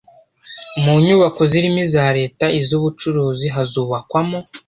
Mu nyubako zirimo iza Leta n iz ubucuruzi hazubakwamo